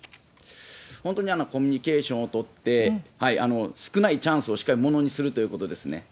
本当にコミュニケーションを取って、少ないチャンスをしっかりものにするということですね。